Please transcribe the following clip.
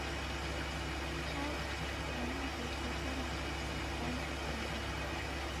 Hai, w'ana w'azoghua ni w'andu w'abaa.